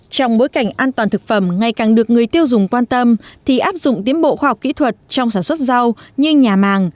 trong bối cảnh an toàn thực phẩm ngày càng được người tiêu dùng quan tâm thì áp dụng tiến bộ khoa học kỹ thuật trong sản xuất rau như nhà màng